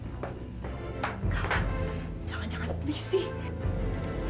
jangan jangan sedih sih